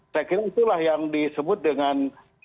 saya kira itulah yang disebut dengan